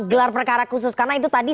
gelar perkara khusus karena itu tadi